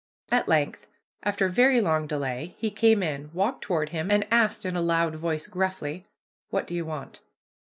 At length, after very long delay, he came in, walked toward him, and asked in a loud voice, gruffly, "What do you want?"